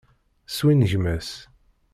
Swingem-as.